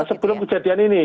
sebelum kejadian ini